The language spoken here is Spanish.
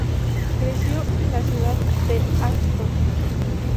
Creció en la ciudad de Ashdod.